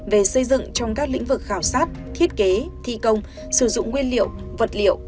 về xây dựng trong các lĩnh vực khảo sát thiết kế thi công sử dụng nguyên liệu vật liệu